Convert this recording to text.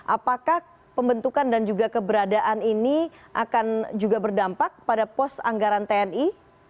apakah pembentukan dan juga keberadaan ini akan juga berdampak pada pos anggaran tni